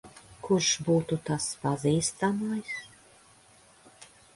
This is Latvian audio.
Kurš būtu tas pazīstamais?